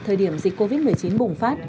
thời điểm dịch covid một mươi chín bùng phát